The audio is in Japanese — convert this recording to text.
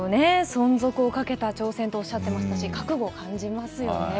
存続をかけた挑戦とおっしゃってましたし、覚悟を感じますよね。